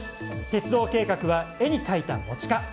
鉄道計画は絵に描いた餅か？